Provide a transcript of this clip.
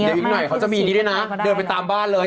เดี๋ยวอีกหน่อยเขาจะมีนี้ด้วยนะเดินไปตามบ้านเลย